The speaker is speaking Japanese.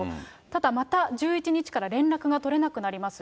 ただ、また１１日から連絡が取れなくなります。